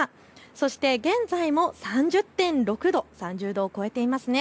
そして現在も３０．６度、３０度を超えていますね。